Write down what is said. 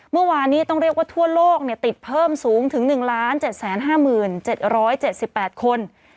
เมื่อวานนี้ต้องเรียกว่าทั่วโลกติดเพิ่มสูงถึง๑๗๕๗๗๘คน